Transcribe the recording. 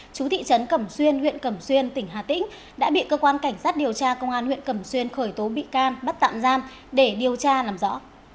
chú thị trấn cẩm xuyên huyện cẩm xuyên tỉnh hà tĩnh đã bị cơ quan cảnh sát điều tra công an huyện cẩm xuyên khởi tố bị can bắt tạm giam để điều tra làm rõ